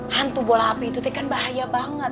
hantu bola api itu kan bahaya banget